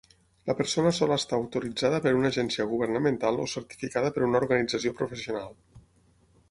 La persona sol estar autoritzada per una agència governamental o certificada per una organització professional.